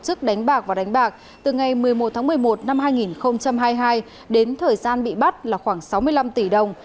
tổ chức đánh bạc và đánh bạc từ ngày một mươi một tháng một mươi một năm hai nghìn hai mươi hai đến thời gian bị bắt là khoảng sáu mươi năm tỷ đồng